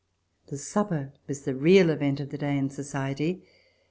The supper was the real event of the day in society.